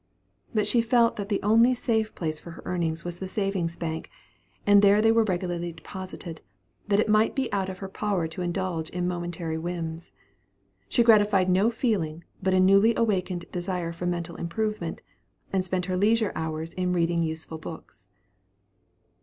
But she felt that the only safe place for her earnings was the savings' bank, and there they were regularly deposited, that it might be out of her power to indulge in momentary whims. She gratified no feeling but a newly awakened desire for mental improvement, and spent her leisure hours in reading useful books.